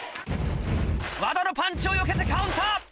和田のパンチをよけてカウンター！